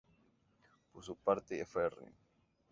Por su parte, fr.